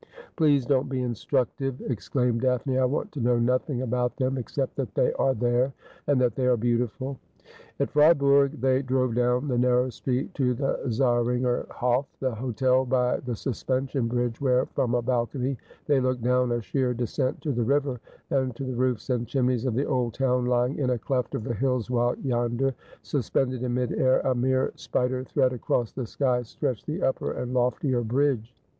' Please don't be instructive,' exclaimed Daphne. ' I want to know nothing about them, except that they are there, and that they are beautiful.' At Fribourgthey drove down the narrow street to the Zahr inger Hof, the hotel by the suspension bridge, where from a balcony they looked down a sheer descent to the river, and to the roofs and chimneys of the old town lying in a cleft of the hills, while yonder, suspended in mid air, a mere spider thread across the sky, stretched the upper and loftier bridge.